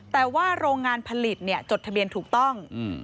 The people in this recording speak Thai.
แต่ว่าโรงงานผลิตจดทะเบียนถูกต้อง